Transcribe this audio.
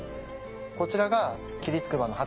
こちらが。